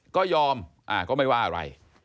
ก็ยอมก็ไม่ว่าอะไร